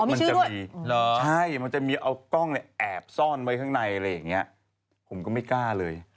มันจะมีใช่มันจะมีเอากล้องเนี่ยแอบซ่อนไว้ข้างในอะไรอย่างนี้ผมก็ไม่กล้าเลย